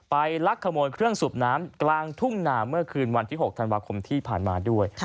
ลักขโมยเครื่องสูบน้ำกลางทุ่งนาเมื่อคืนวันที่๖ธันวาคมที่ผ่านมาด้วย